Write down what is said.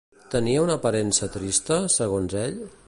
Tenia una aparença trista, segons ell?